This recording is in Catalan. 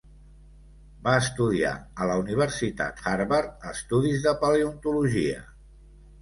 Va estudiar a la Universitat Harvard estudis de paleontologia.